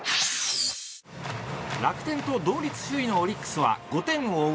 楽天と同率首位のオリックスは５点を追う